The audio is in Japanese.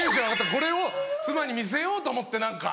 これを妻に見せようと思って何か。